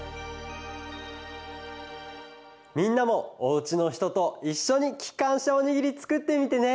みんなもおうちのひとといっしょにきかんしゃおにぎりつくってみてね！